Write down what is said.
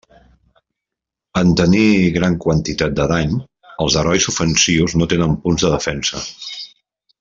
En tenir gran quantitat de dany, els herois ofensius no tenen punts de defensa.